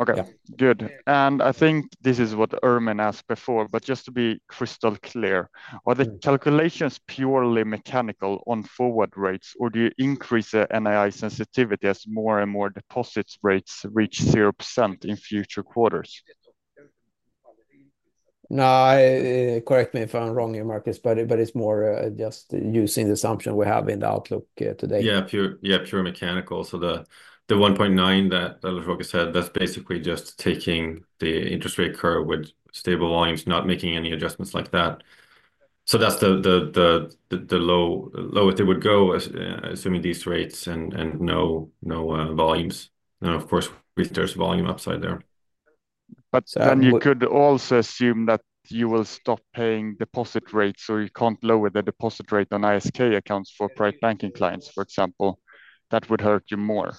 Okay. Yeah. Good. And I think this is what Ermin asked before, but just to be crystal clear, are the calculations purely mechanical on forward rates, or do you increase the NII sensitivity as more and more deposit rates reach 0% in future quarters? No, correct me if I'm wrong here, Marcus, but it's more just using the assumption we have in the outlook today. Yeah, pure mechanical. So the one point nine that Lars-Åke said, that's basically just taking the interest rate curve with stable volumes, not making any adjustments like that. So that's the low it would go, assuming these rates and no volumes. And of course, if there's volume upside there. But- And- Then you could also assume that you will stop paying deposit rates, so you can't lower the deposit rate on ISK accounts for private banking clients, for example. That would hurt you more,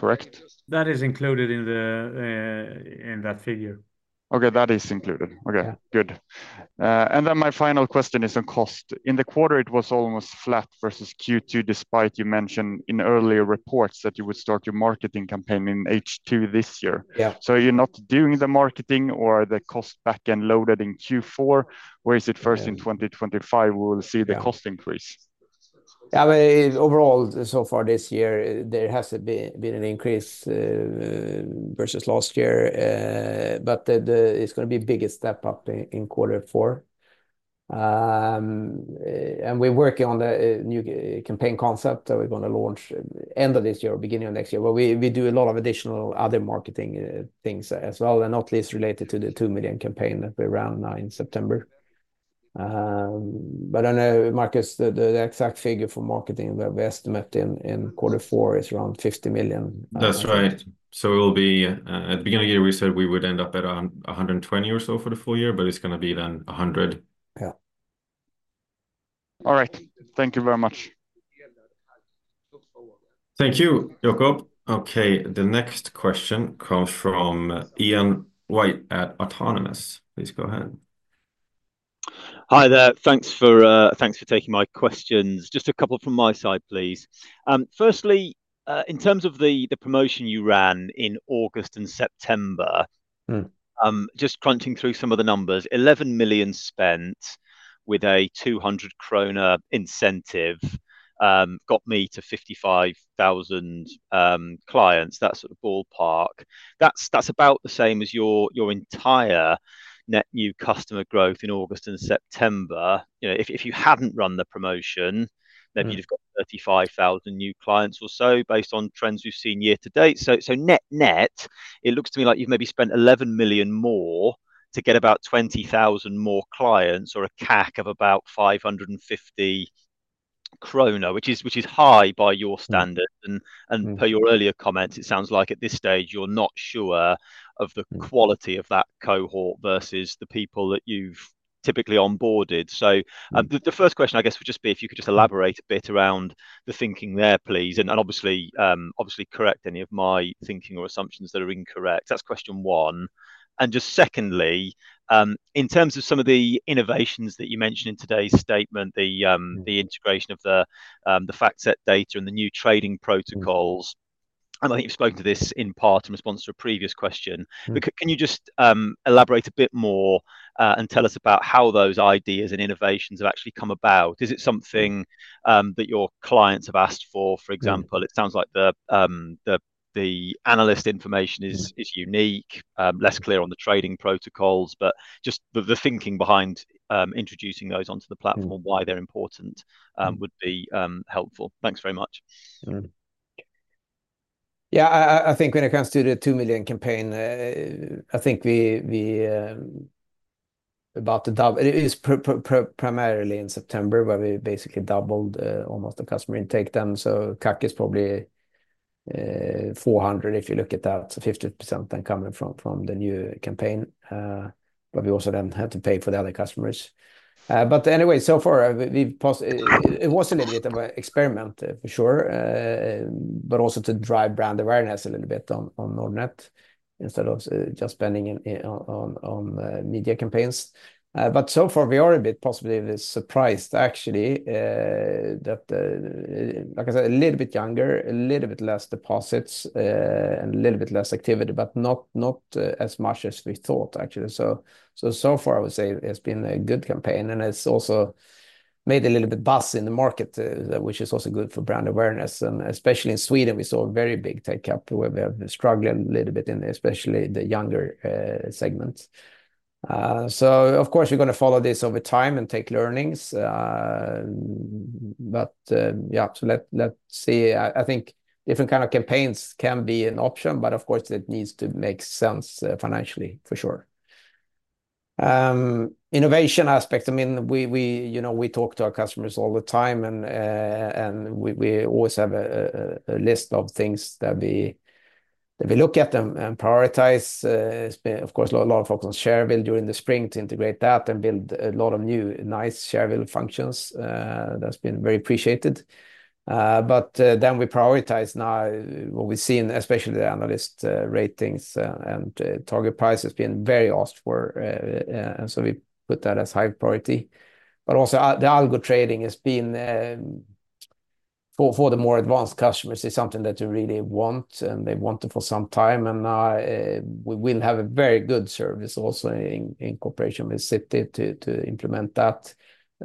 correct? That is included in the, in that figure. Okay, that is included. Yeah. Okay, good. And then my final question is on cost. In the quarter, it was almost flat versus Q2, despite you mentioned in earlier reports that you would start your marketing campaign in H2 this year. Yeah. So you're not doing the marketing or the cost back-end loaded in Q4, or is it first in 2025? Yeah... we will see the cost increase? Yeah, but overall, so far this year, there has been an increase versus last year. But it's gonna be a bigger step up in quarter four. And we're working on the new campaign concept that we're gonna launch end of this year or beginning of next year. But we do a lot of additional other marketing things as well, and not least related to the two million campaign that we ran in September. But I know, Marcus, the exact figure for marketing that we estimate in quarter four is around 50 million. That's right. So it will be at the beginning of the year, we said we would end up at a hundred and twenty or so for the full year, but it's gonna be then a hundred. Yeah.... All right. Thank you very much. Thank you, Jacob. Okay, the next question comes from Ian White at Autonomous. Please go ahead. Hi there. Thanks for taking my questions. Just a couple from my side, please. Firstly, in terms of the promotion you ran in August and September- Mm. Just crunching through some of the numbers, 11 million spent with a 200 kronor incentive, got me to 55,000 clients. That's a ballpark. That's about the same as your entire net new customer growth in August and September. You know, if you hadn't run the promotion. Mm... then you'd have got 35,000 new clients or so, based on trends we've seen year to date. So, so net-net, it looks to me like you've maybe spent 11 million more to get about 20,000 more clients, or a CAC of about 550 kronor, which is, which is high by your standards. Mm. Per your earlier comments, it sounds like at this stage you're not sure of the quality- Mm... of that cohort versus the people that you've typically onboarded. So, the first question I guess would just be if you could just elaborate a bit around the thinking there, please, and obviously correct any of my thinking or assumptions that are incorrect. That's question one. And just secondly, in terms of some of the innovations that you mentioned in today's statement, the integration of the FactSet data and the new trading protocols- Mm. I think you've spoken to this in part in response to a previous question. Mm. But can you just elaborate a bit more and tell us about how those ideas and innovations have actually come about? Is it something that your clients have asked for, for example? Mm. It sounds like the analyst information is unique. Less clear on the trading protocols, but just the thinking behind introducing those onto the platform- Mm... why they're important, would be, helpful. Thanks very much. Yeah, I think when it comes to the two million campaign, I think we about to double. It was primarily in September, where we basically doubled almost the customer intake then. So CAC is probably 400 if you look at that, so 50% then coming from the new campaign, but we also then had to pay for the other customers, but anyway, so far, it was a little bit of a experiment, for sure, but also to drive brand awareness a little bit on Nordnet instead of just spending it on media campaigns. But so far we are a bit possibly a bit surprised, actually, that, like I said, a little bit younger, a little bit less deposits, and a little bit less activity, but not as much as we thought, actually, so far I would say it's been a good campaign, and it's also made a little bit buzz in the market, which is also good for brand awareness, and especially in Sweden, we saw a very big take-up, where we have been struggling a little bit in especially the younger segments, so of course we're gonna follow this over time and take learnings, but yeah, so let's see. I think different kind of campaigns can be an option, but of course it needs to make sense, financially, for sure. Innovation aspect, I mean, we you know we talk to our customers all the time, and and we always have a list of things that we look at them and prioritize. It's been, of course, a lot of focus on Shareville during the spring to integrate that and build a lot of new, nice Shareville functions. That's been very appreciated. But then we prioritize now what we've seen, especially the analyst ratings and target price has been very asked for, and so we put that as high priority. But also, the algo trading has been for the more advanced customers, is something that they really want, and they want it for some time. And we will have a very good service also in cooperation with Citi to implement that.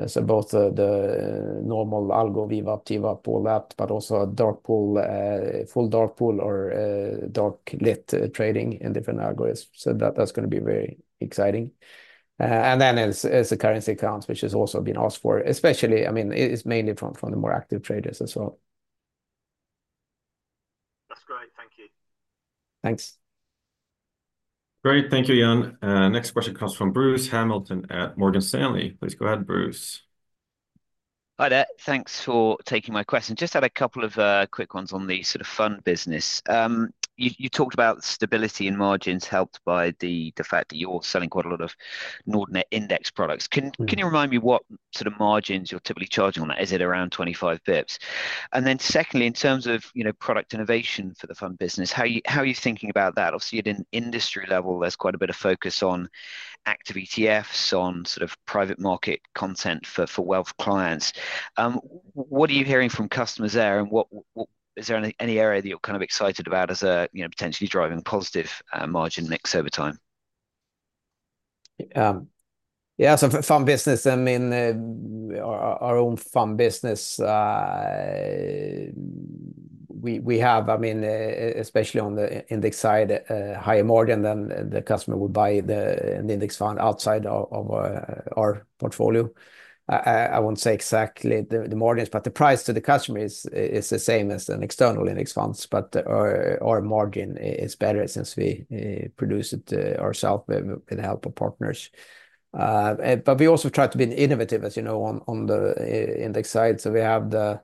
So both the normal algo, VWAP, TWAP POV, but also a dark pool, full dark pool or dark lit trading in different algorithms. So that's gonna be very exciting. And then as the currency accounts, which has also been asked for, especially, I mean, it's mainly from the more active traders as well. That's great. Thank you. Thanks. Great. Thank you, Ian. Next question comes from Bruce Hamilton at Morgan Stanley. Please go ahead, Bruce. Hi there. Thanks for taking my question. Just had a couple of quick ones on the sort of fund business. You talked about stability in margins helped by the fact that you're selling quite a lot of Nordnet index products. Mm. Can you remind me what sort of margins you're typically charging on that? Is it around 25 basis points? And then secondly, in terms of, you know, product innovation for the fund business, how are you thinking about that? Obviously, at an industry level, there's quite a bit of focus on active ETFs, on sort of private market content for wealth clients. What are you hearing from customers there, and what? Is there any area that you're kind of excited about as a, you know, potentially driving positive margin mix over time? Yeah, so for fund business, I mean, our own fund business, we have, I mean, especially on the index side, a higher margin than the customer would buy an index fund outside of our portfolio. I won't say exactly the margins, but the price to the customer is the same as an external index funds, but our margin is better since we produce it ourselves with the help of partners. But we also try to be innovative, as you know, on the index side. So we have the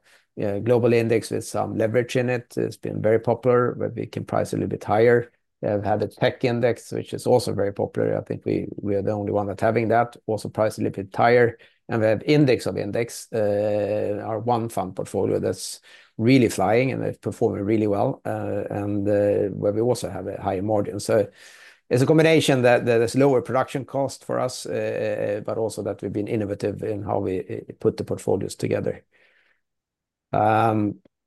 global index with some leverage in it. It's been very popular, where we can price a little bit higher. We have had a tech index, which is also very popular. I think we are the only one that's having that, also priced a little bit higher. And we have index of index, our One fund portfolio that's really flying, and it's performing really well, and where we also have a higher margin. So it's a combination that there is lower production cost for us, but also that we've been innovative in how we put the portfolios together.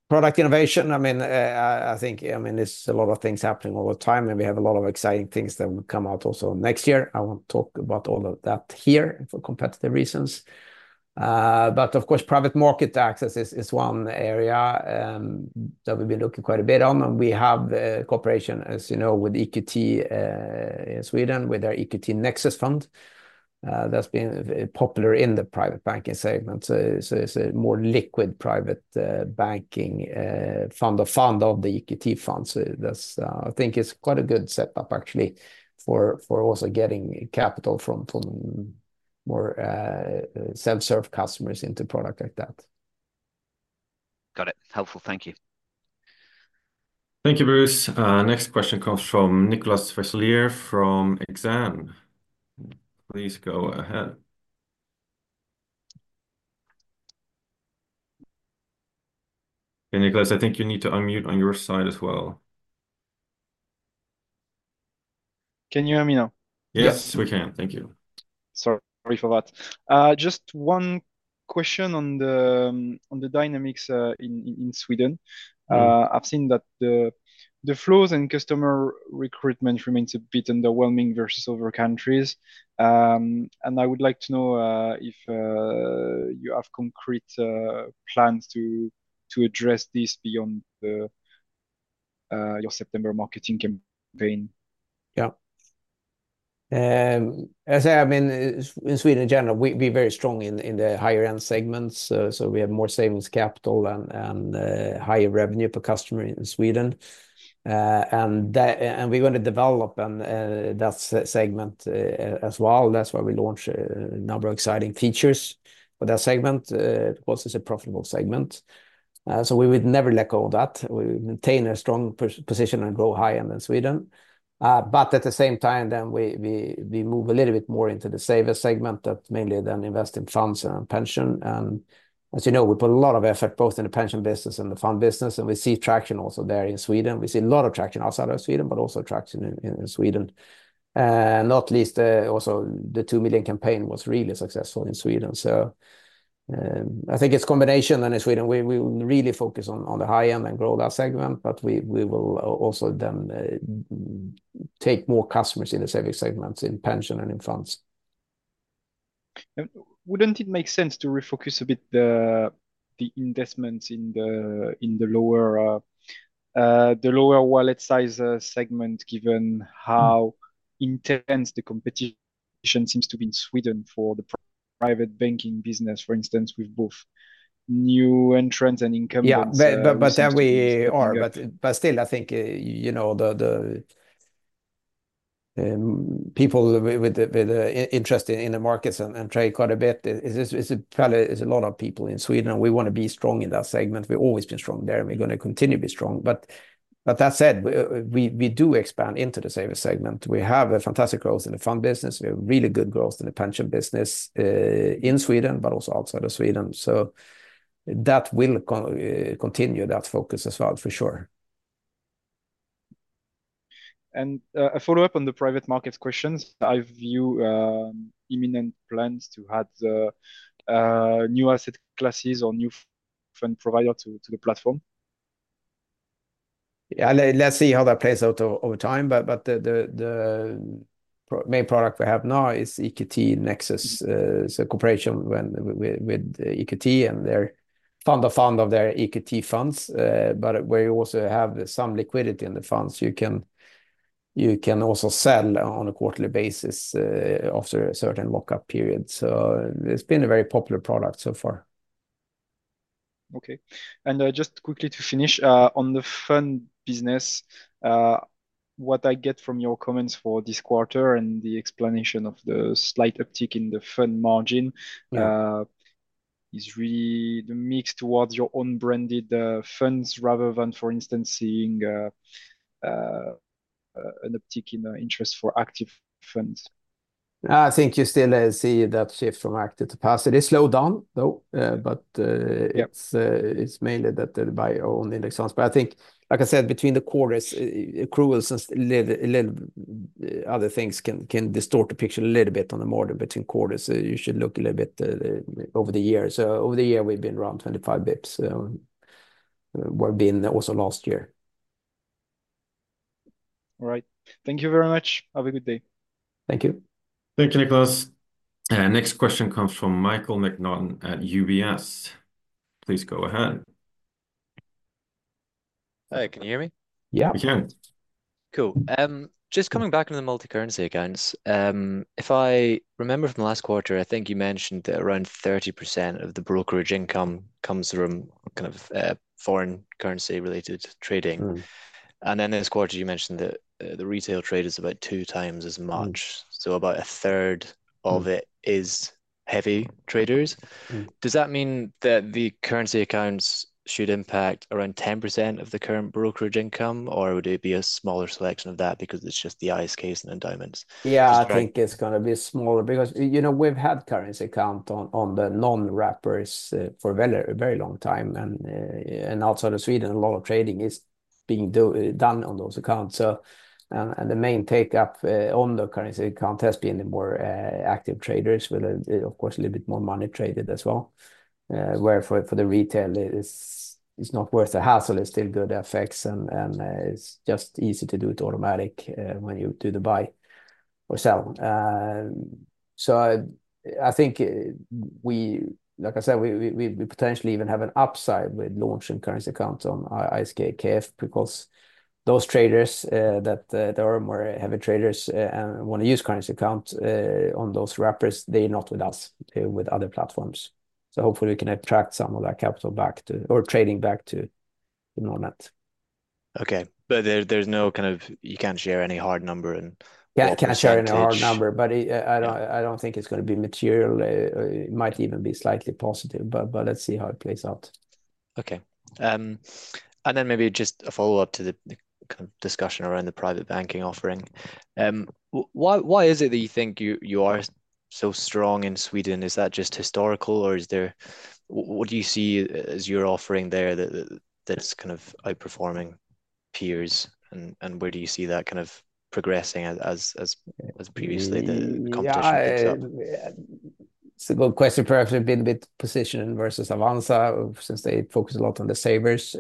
Product innovation, I mean, I think, there's a lot of things happening all the time, and we have a lot of exciting things that will come out also next year. I won't talk about all of that here for competitive reasons. But of course, private market access is one area that we've been looking quite a bit on, and we have a cooperation, as you know, with EQT in Sweden, with our EQT Nexus fund. That's been popular in the private banking segment, so it's a more liquid private banking fund of funds of the EQT fund. So that's I think it's quite a good setup actually for also getting capital from more self-serve customers into product like that. Got it. Helpful, thank you. Thank you, Bruce. Next question comes from Nicolas Vauthier from Exane. Please go ahead. Hey, Nicolas, I think you need to unmute on your side as well. Can you hear me now? Yes, we can. Thank you. Sorry for that. Just one question on the dynamics in Sweden. Mm-hmm. I've seen that the flows in customer recruitment remains a bit underwhelming versus other countries. And I would like to know if you have concrete plans to address this beyond your September marketing campaign? Yeah. I mean, in Sweden in general, we're very strong in the higher-end segments. So we have more savings capital and higher revenue per customer in Sweden. And we're going to develop that segment as well. That's why we launched a number of exciting features for that segment. Also, it's a profitable segment, so we would never let go of that. We maintain a strong position and grow high-end in Sweden. But at the same time we move a little bit more into the saver segment, that mainly invest in funds and pension. And as you know, we put a lot of effort both in the pension business and the fund business, and we see traction also there in Sweden. We see a lot of traction outside of Sweden, but also traction in Sweden, and not least, also the two million campaign was really successful in Sweden, so I think it's combination, then in Sweden, we really focus on the high end and grow that segment, but we will also then take more customers in the savings segments, in pension and in funds. Wouldn't it make sense to refocus a bit the investments in the lower wallet size segment, given how intense the competition seems to be in Sweden for the private banking business, for instance, with both new entrants and incumbents? Yeah, but then we are- Yeah But still, I think you know the people with the interest in the markets and trade quite a bit. It's a lot of people in Sweden, and we want to be strong in that segment. We've always been strong there, and we're going to continue to be strong. But that said, we do expand into the saver segment. We have a fantastic growth in the fund business. We have really good growth in the pension business in Sweden, but also outside of Sweden. So that will continue that focus as well, for sure. And, a follow-up on the private markets questions. Have you imminent plans to add the new asset classes or new fund provider to the platform. Yeah, let's see how that plays out over time, but the main product we have now is EQT Nexus. It's a cooperation with EQT, and their fund of funds of their EQT funds. But we also have some liquidity in the funds. You can also sell on a quarterly basis, after a certain lock-up period. So it's been a very popular product so far. Okay. And, just quickly to finish, on the fund business, what I get from your comments for this quarter and the explanation of the slight uptick in the fund margin- Yeah... is really the mix towards your own branded funds, rather than, for instance, seeing an uptick in the interest for active funds. I think you still see that shift from active to passive. It slowed down, though, but. Yeah... it's mainly that they're buying our own index funds. But I think, like I said, between the quarters, accruals and little other things can distort the picture a little bit on the model between quarters. So you should look a little bit over the years. So over the year, we've been around 25 basis points, so we're being there also last year. All right. Thank you very much. Have a good day. Thank you. Thank you, Nicolas. Next question comes from Michael McNaughton at UBS. Please go ahead. Hey, can you hear me? Yeah. We can. Cool. Just coming back on the multicurrency accounts, if I remember from last quarter, I think you mentioned that around 30% of the brokerage income comes from kind of foreign currency-related trading. Mm. And then this quarter, you mentioned that the retail trade is about two times as much- Mm... so about a third of it- Mm - is heavy traders. Mm. Does that mean that the currency accounts should impact around 10% of the current brokerage income, or would it be a smaller selection of that because it's just the ISKs and the endowments? Yeah- Just-... I think it's gonna be smaller because, you know, we've had currency account on the non-wrappers for a very, very long time. And outside of Sweden, a lot of trading is being done on those accounts. So, and the main take-up on the currency account has been the more active traders with, of course, a little bit more money traded as well. Where for the retail, it is, it's not worth the hassle. It's still good FX, and it's just easy to do it automatic when you do the buy or sell. So I think we... Like I said, we potentially even have an upside with launching currency accounts on ISK, KF, because those traders that are more heavy traders and wanna use currency account on those wrappers, they're not with us with other platforms. So hopefully we can attract some of that capital back to, or trading back to, you know, Nordnet. Okay. But there, there's no kind of... You can't share any hard number and- Yeah, I cannot share any hard number- Percentage... but I don't think it's gonna be material. It might even be slightly positive, but let's see how it plays out. Okay. And then maybe just a follow-up to the kind of discussion around the private banking offering. Why, why is it that you think you are so strong in Sweden? Is that just historical, or is there... what do you see as your offering there that is kind of outperforming peers, and where do you see that kind of progressing as previously the competition picks up? Yeah, it's a good question. Perhaps we've been a bit positioned versus Avanza, since they focus a lot on the savers,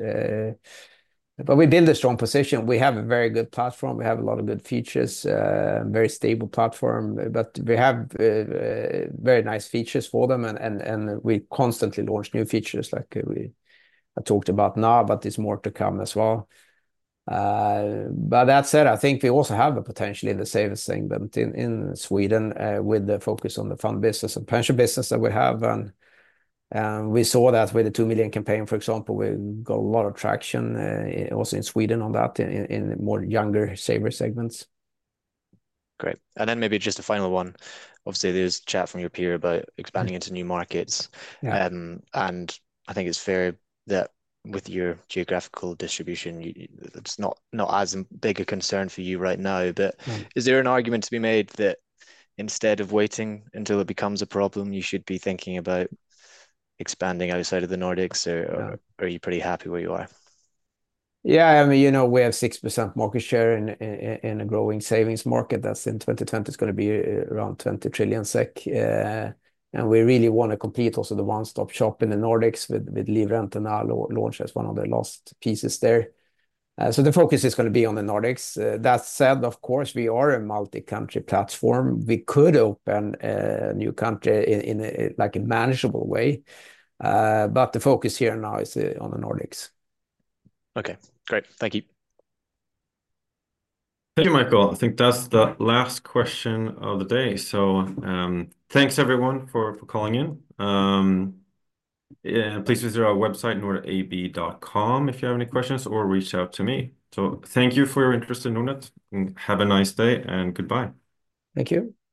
but we build a strong position. We have a very good platform. We have a lot of good features, very stable platform, but we have very nice features for them, and we constantly launch new features, like I talked about now, but there's more to come as well, but that said, I think we also have the potentially safest thing, but in Sweden, with the focus on the fund business and pension business that we have, and we saw that with the two million campaign, for example, we got a lot of traction, also in Sweden on that, in the more younger saver segments. Great, and then maybe just a final one. Obviously, there's chat from your peer about expanding- Mm... into new markets. Yeah. And I think it's fair that with your geographical distribution, it's not as big a concern for you right now, but- Mm... is there an argument to be made that instead of waiting until it becomes a problem, you should be thinking about expanding outside of the Nordics, or, or-? Yeah... are you pretty happy where you are? Yeah, I mean, you know, we have 6% market share in a growing savings market. That's in 2020, it's gonna be around 20 trillion SEK. And we really want to complete also the one-stop shop in the Nordics with Livrente now launched as one of the last pieces there. So the focus is gonna be on the Nordics. That said, of course, we are a multi-country platform. We could open a new country in a like a manageable way. But the focus here now is on the Nordics. Okay, great. Thank you. Thank you, Michael. I think that's the last question of the day. So, thanks everyone for calling in. Yeah, please visit our website, nordnet.com, if you have any questions, or reach out to me. So thank you for your interest in Nordnet, and have a nice day, and goodbye. Thank you.